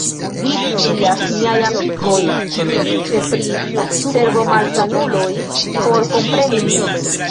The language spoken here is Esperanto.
Vi scias, miaj amikoj, sufiĉe pri cerbomalsanuloj, por kompreni min.